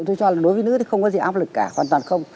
tôi cho là đối với nữ thì không có gì áp lực cả hoàn toàn không